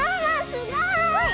すごい！